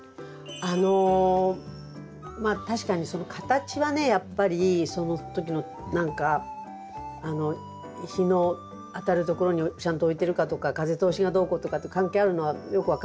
あのまあ確かにその形はねやっぱりその時の何か日の当たるところにちゃんと置いてるかとか風通しがどうこうとかと関係あるのはよく分かるんですけど。